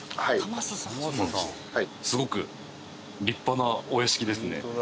すごく立派なお屋敷ですね。